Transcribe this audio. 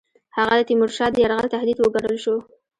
هغه د تیمورشاه د یرغل تهدید وګڼل شو.